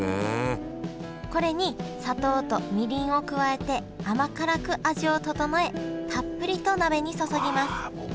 これに砂糖とみりんを加えて甘辛く味を調えたっぷりと鍋に注ぎますもう和の味だね。